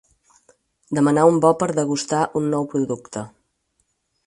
Demanar un bo per a degustar un nou producte.